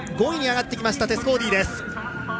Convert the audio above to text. ５位に上がりましたテス・コーディ。